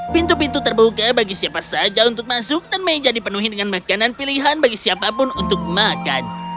pintu pintu terbuka bagi siapa saja untuk masuk dan meja dipenuhi dengan makanan pilihan bagi siapapun untuk makan